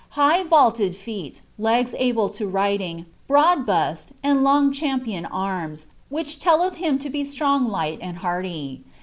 Hi^ nnliad feet, lege able to riding, broad bust, and long champion ann*, wlikh lelleth him to be strong, light, and hardy.